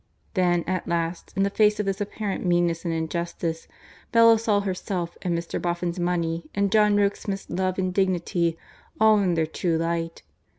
Then, at last, in the face of this apparent meanness and injustice, Bella saw herself and Mr. Boffin's money and John Rokesmith's love and dignity, all in their true light.